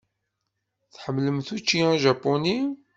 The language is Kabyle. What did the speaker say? Tḥemmlemt učči ajapuni?